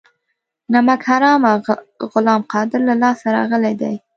نمک حرامه غلام قادر له لاسه راغلي دي.